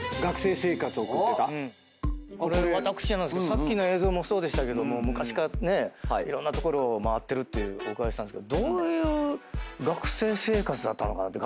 さっきの映像もそうでしたけど昔からいろんな所を回ってるってお伺いしたんですけどどういう学生生活だったのかなって。